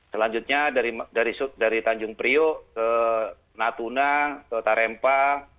selanjutnya dari tanjung priok ke natuna ke tarempa